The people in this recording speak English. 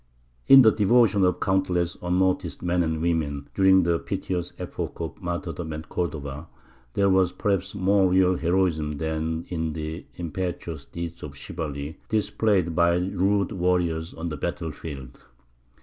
In the devotion of countless unnoticed men and women during the piteous epoch of martyrdom at Cordova there was perhaps more real heroism than in the impetuous deeds of chivalry displayed by rude warriors on the battle field.